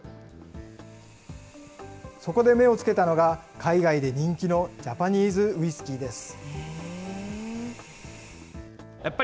そこで目をつけたのが、海外で人気のジャパニーズウイスキーです。